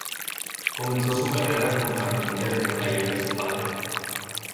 Comenzó su carrera como carpintero en el taller de su padre.